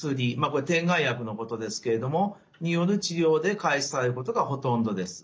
これ点眼薬のことですけれどもによる治療で開始されることがほとんどです。